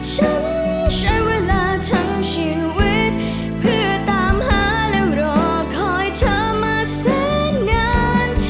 ใช้เวลาทั้งชีวิตเพื่อตามหาแล้วรอคอยเธอมาแสนนาน